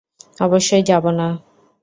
অবশ্যই যাবো না!